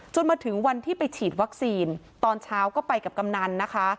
มาถึงวันที่ไปฉีดวัคซีนตอนเช้าก็ไปกับกำนันนะคะ